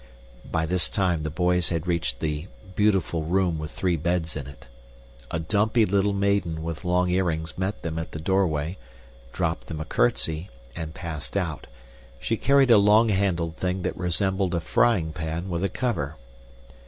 By this time the boys had reached the "beautiful room with three beds in it." A dumpy little maiden with long earrings met them at the doorway, dropped them a curtsy, and passed out. She carried a long handled thing that resembled a frying pan with a cover.